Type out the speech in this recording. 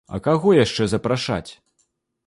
А каго яшчэ запрашаць?